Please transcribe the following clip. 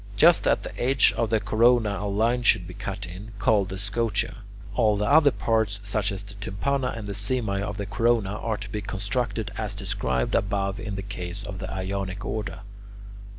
Just at the edge of the corona a line should be cut in, called the scotia. All the other parts, such as tympana and the simae of the corona, are to be constructed as described above in the case of the Ionic order.